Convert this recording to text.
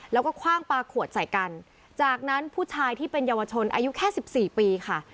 แล้วก็คว่างปลาขวดใส่กันจากนั้นผู้ชายที่เป็นเยาวชนอายุแค่สิบสี่ปีค่ะ